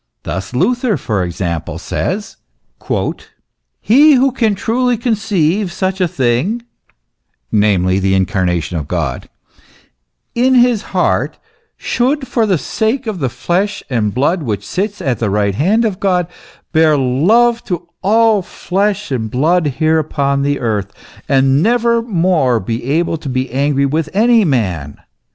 Thus Luther, for example, says, " He who can truly conceive such a thing (namely, the incarnation of God) in his heart, should, for the sake of the flesh and blood which sits at the right hand of God, bear love to all flesh and blood here upon the earth, and never more be able to be angry with any man.